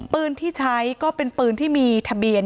ปืนที่ใช้ก็เป็นปืนที่มีทะเบียน